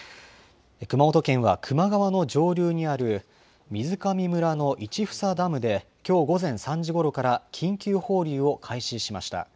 熊本県は球磨川の上流にある水上村の市房ダムで、きょう午前３時ごろから緊急放流を開始しました。